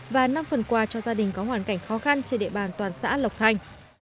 và năm phần quà cho gia đình có hoàn cảnh khó khăn trên địa bàn toàn xã lộc thanh